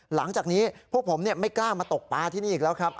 หลังจากนี้พวกผมไม่กล้ามาตกปลาที่นี่อีกแล้วครับ